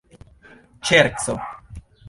ŝerco